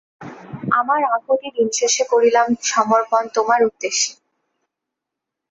আমার আহুতি দিনশেষে করিলাম সমর্পণ তোমার উদ্দেশে।